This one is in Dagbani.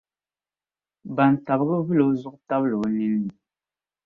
bantabiga vili o zuɣu tabili o ninni.